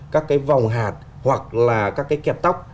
các cái vòng hạt hoặc là các cái kẹp tóc